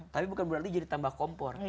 tapi bukan berarti jadi tambah kompor